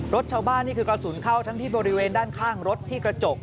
รถชาวบ้านนี่คือกระสุนเข้าทั้งที่บริเวณด้านข้างรถที่กระจก